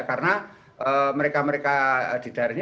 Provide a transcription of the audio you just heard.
karena mereka mereka di daerah ini